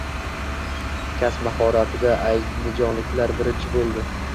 Kasb mahoratida andijonliklar birinchi bo‘lding